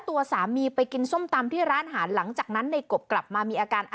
ตัวสามีไปกินส้มตำที่ร้านอาหารหลังจากนั้นในกบกลับมามีอาการ